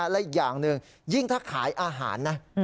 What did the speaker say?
และอีกอย่างหนึ่งยิ่งถ้าขายอาหารนะ